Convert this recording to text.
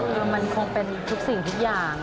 คือมันคงเป็นทุกสิ่งทุกอย่าง